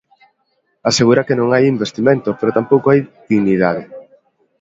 Asegura que non hai investimento, pero tampouco hai dignidade.